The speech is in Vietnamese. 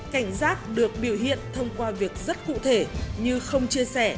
cảnh giác được biểu hiện thông qua việc rất cụ thể